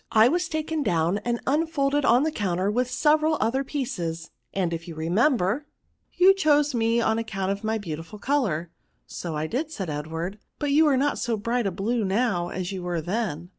I was taken down and unfolded PRONOUNS, 177 on the counter with several other pieces, and, if you remember, you chose me on account of my beautiful colour." " So I did," said Edward ;*' but you are not so bright a blue now as you were then."